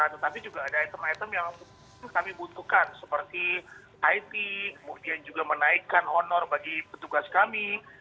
tetapi juga ada item item yang kami butuhkan seperti it kemudian juga menaikkan honor bagi petugas kami